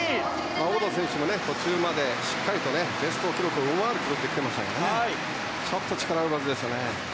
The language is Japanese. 小方選手も途中までしっかりとベスト記録を上回るタイムで泳ぎましたけどちょっと力及ばずでしたね。